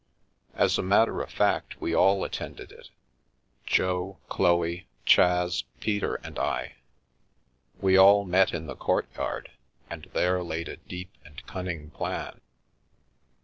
• As a matter of fact, we all attended it — Jo, Chloe, Chas, Peter and I. We all met in the courtyard, and there laid a deep and cunning plan.